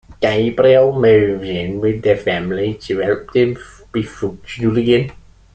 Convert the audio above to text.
Gabriel moves in with the family to help them be functional again.